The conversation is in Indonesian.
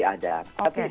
kalau terjadi itu masih ada